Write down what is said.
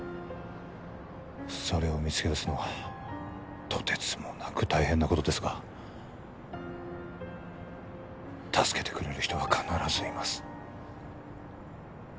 それを見つけ出すのはとてつもなく大変なことですが助けてくれる人は必ずいます